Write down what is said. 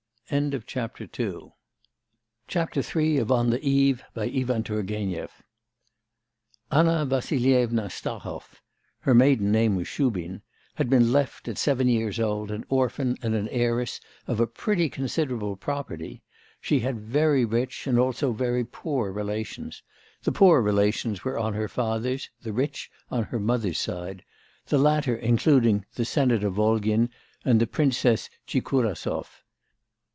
III Anna Vassilyevna Stahov her maiden name was Shubin had been left, at seven years old, an orphan and heiress of a pretty considerable property. She had very rich and also very poor relations; the poor relations were on her father's, the rich on her mother's side; the latter including the senator Volgin and the Princes Tchikurasov.